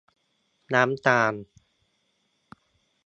น้ำตาล